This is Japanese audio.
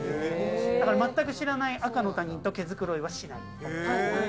全く知らない赤の他人と毛づくろいはしない。